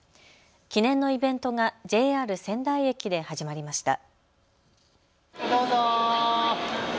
記念のイベントがＪＲ仙台駅で始まりました。